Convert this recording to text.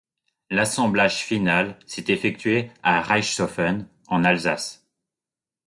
L'assemblage final s'est effectué à Reichshoffen, en Alsace.